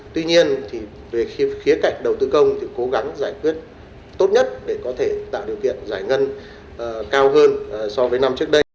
tuy nhiên thì về khía cạnh đầu tư công thì cố gắng giải quyết tốt nhất để có thể tạo điều kiện giải ngân cao hơn so với năm trước đây